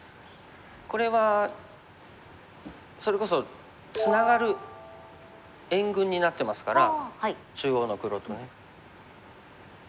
これはそれこそツナがる援軍になってますから中央の黒とね。